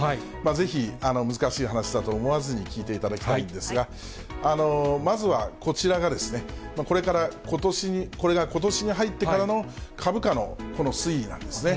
ぜひ難しい話だと思わずに、聞いていただきたいんですが、まずは、こちらがですね、これがことしに入ってからの、株価の推移なんですね。